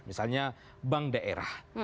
misalnya bank daerah